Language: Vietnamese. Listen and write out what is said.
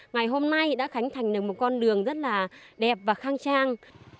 ngày hôm nay đã khánh thành được một con đường rất là đẹp và khang trang